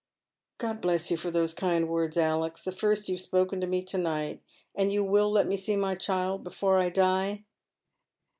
*' God bless you for those kind words, Alex, the first you havo Bpoken to me to night ; and you will let me see my cliild — before I die."